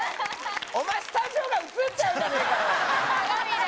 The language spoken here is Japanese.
お前スタジオが映っちゃうじゃねえかよ！